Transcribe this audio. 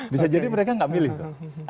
bisa jadi mereka nggak milih tuh